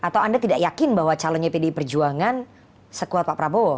atau anda tidak yakin bahwa calonnya pdi perjuangan sekuat pak prabowo